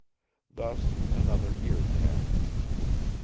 Thus another year passed.